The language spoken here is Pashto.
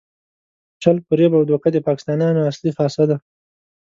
چل، فریب او دوکه د پاکستانیانو اصلي خاصه ده.